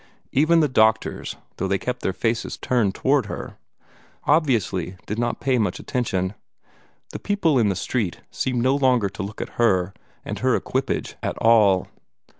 Even the doctors, though they kept their faces turned toward her, obviously did not pay much attention; the people in the street seemed no longer to look at her and her equipage at all.